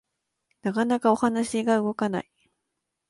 なかなかお話が動かない